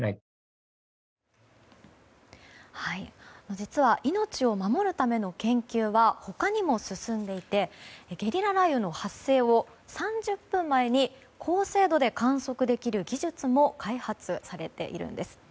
実は命を守るための研究は他にも進んでいてゲリラ雷雨の発生を３０分前に高精度で観測できる技術も開発されているんです。